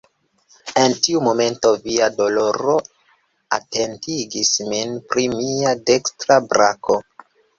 En tiu momento, viva doloro atentigis min pri mia dekstra brako.